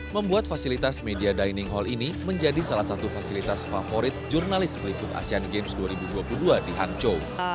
membuat fasilitas media dining hall ini menjadi salah satu fasilitas favorit jurnalis meliput asean games dua ribu dua puluh dua di hangzhou